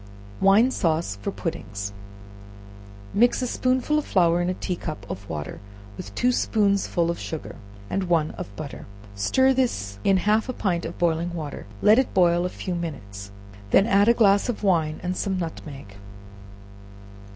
Wine Sauce for Puddings. Mix a spoonful of flour in a tea cup of water, with two spoonsful of sugar and one of butter; stir this in half a pint of boiling water; let it boil a few minutes, when add a glass of wine and some nutmeg.